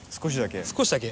少しだけ。